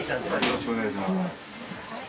よろしくお願いします。